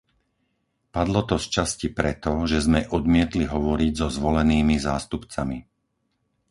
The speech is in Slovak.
Padlo to sčasti preto, že sme odmietli hovoriť so zvolenými zástupcami.